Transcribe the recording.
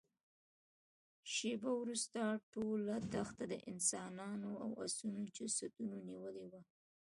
شېبه وروسته ټوله دښته د انسانانو او آسونو جسدونو نيولې وه.